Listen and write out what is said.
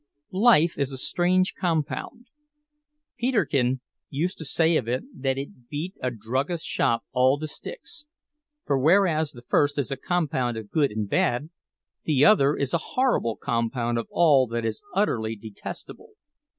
Life is a strange compound. Peterkin used to say of it that it beat a druggist's shop all to sticks; for whereas the first is a compound of good and bad, the other is a horrible compound of all that is utterly detestable.